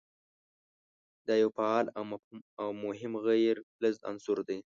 دا یو فعال او مهم غیر فلز عنصر دی.